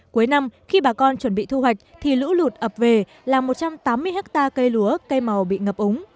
cuối năm khi bà con chuẩn bị thu hoạch thì lũ lụt ập về là một trăm tám mươi hectare cây lúa cây màu bị ngập úng